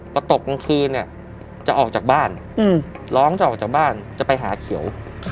พอตกกลางคืนเนี่ยจะออกจากบ้านร้องจะออกจากบ้านจะไปหาเขียว